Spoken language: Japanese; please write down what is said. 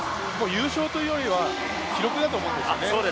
優勝というよりは記録だと思うんですよね。